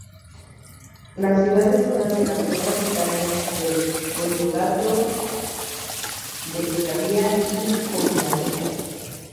La ciudad es una de las dos capitales del voivodato de Cuyavia y Pomerania.